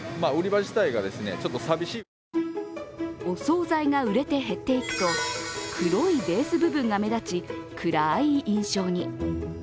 お総菜が売れて減っていくと黒いベース部分が目立ち暗い印象に。